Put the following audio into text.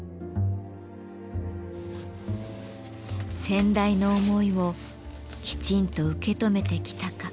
先代の思いをきちんと受け止めてきたか。